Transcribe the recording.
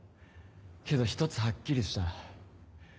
けど１つはっきりした。